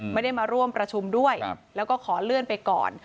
ไม่ได้มาร่วมประชุมด้วยแล้วก็ขอเลื่อนไปก่อน